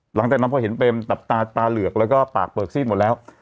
หลังจากนั้นพอเห็นเป็นแบบตาตาเหลือกแล้วก็ปากเปลือกซีดหมดแล้ว